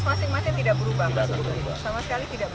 sama sekali tidak berubah